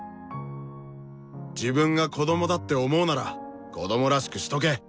自分が子供だって思うなら子供らしくしとけ！